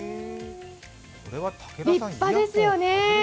立派ですね。